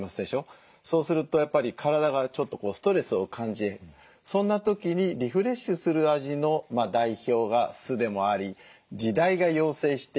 そうするとやっぱり体がちょっとこうストレスを感じそんな時にリフレッシュする味の代表が酢でもあり時代が要請している。